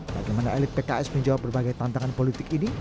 bagaimana elit pks menjawab berbagai tantangan politik ini